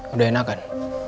udah enak kan